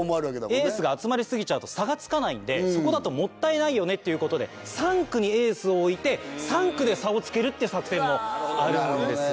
エースが集まり過ぎちゃうと差がつかないんでそこだともったいないよねっていうことで３区にエースを置いて３区で差をつけるっていう作戦もあるんですね。